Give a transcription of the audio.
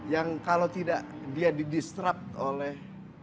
yang kalau tidak dia di disrup oleh